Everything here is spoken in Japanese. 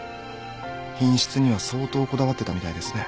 品質には相当こだわってたみたいですね。